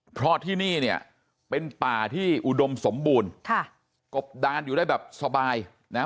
เพราะที่นี่เนี่ยเป็นป่าที่อุดมสมบูรณ์ค่ะกบดานอยู่ได้แบบสบายนะฮะ